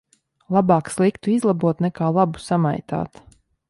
Labāk sliktu izlabot nekā labu samaitāt.